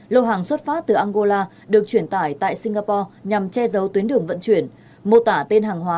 lô hàng xuất phát từ angola được truyền tải tại singapore nhằm che giấu tuyến đường vận chuyển mô tả tên hàng hóa